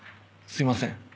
すいません。